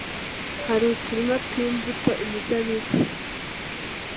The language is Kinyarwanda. hari uturima tw'imbuto, imizabibu,